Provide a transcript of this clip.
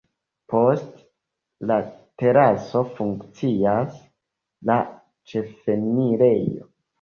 Post la teraso funkcias la ĉefenirejo.